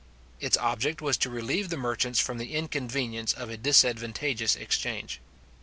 Its object was to relieve the merchants from the inconvenience of a disadvantageous exchange.